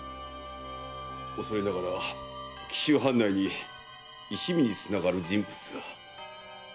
おそれながら紀州藩内に一味につながる人物が。